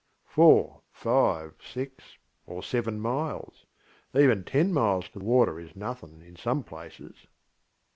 Four, five, six, or seven milesŌĆöeven ten miles to water is nothing in some places.